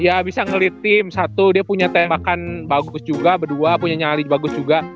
ya bisa ngelit tim satu dia punya temakan bagus juga berdua punya nyali bagus juga